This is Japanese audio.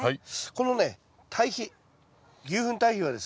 このね堆肥牛ふん堆肥はですね